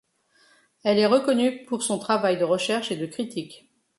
Il est reconnu pour son travail de recherche et de critique.